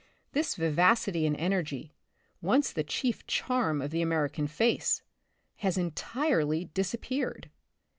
This vivacity and energy, once the chief charm of the American face, has entirely disappeared.